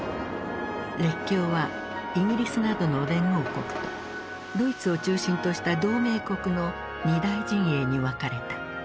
列強はイギリスなどの連合国とドイツを中心とした同盟国の２大陣営に分かれた。